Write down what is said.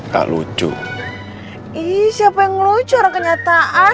puji insta yuk ny agent